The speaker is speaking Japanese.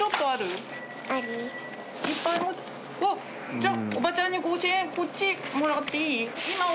じゃあおばちゃんに五千円こっちもらっていい？